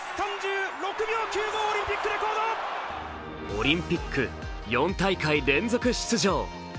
オリンピック４大会連続出場。